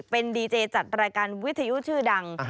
เป็นดีเจจัดรายการวิทยุชื่อดัง